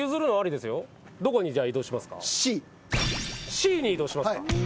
Ｃに移動しますか。